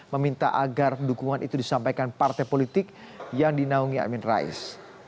meminta agar dukungan itu disampaikan partai politik yang dinaungi amin rais